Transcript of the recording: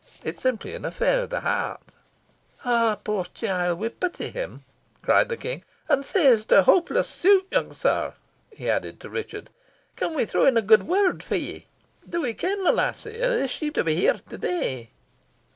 "It is simply an affair of the heart." "Puir chiel! we pity him," cried the King. "And sae it is a hopeless suit, young sir?" he added to Richard. "Canna we throw in a good word for ye? Do we ken the lassie, and is she to be here to day?"